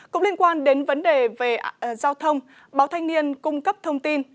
cũng liên quan đến vấn đề về giao thông báo thanh niên cung cấp thông tin